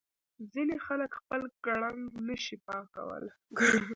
ځینې خلک خپل ګړنګ نه شي پاکولای.